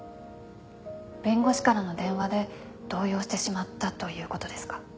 弁護士からの電話で動揺してしまったという事ですか？